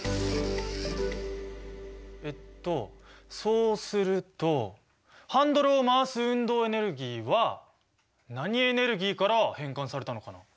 えっとそうするとハンドルを回す運動エネルギーは何エネルギーから変換されたのかな？